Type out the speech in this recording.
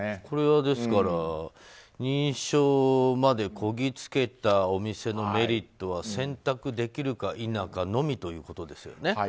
これは、認証までこぎつけたお店のメリットは選択できるか否かのみということですよね。